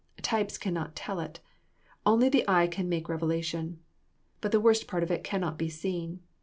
Types can not tell it. Only the eye can make revelation. But the worst part of it can not be seen.